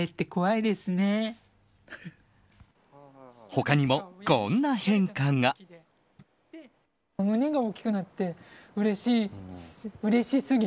他にも、こんな変化が。